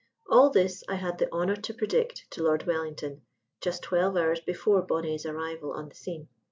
All this I had the honour to predict to Lord Wellington just twelve hours before Bonnet's arrival on the scene.